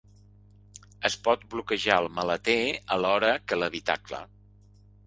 Es pot bloquejar el maleter alhora que l'habitacle.